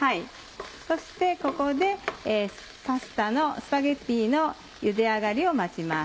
そしてここでスパゲティのゆで上がりを待ちます。